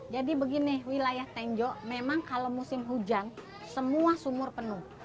begini wilayah tenjok memang kalau musim hujan semua sumur penuh